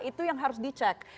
itu yang harus dicek